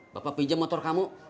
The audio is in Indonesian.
bapak pinjam motor kamu